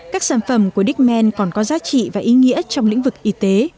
các sản phẩm của decman còn có giá trị và ý nghĩa trong lĩnh vực y tế